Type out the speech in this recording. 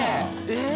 えっ⁉